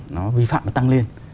nó vi phạm nó tăng lên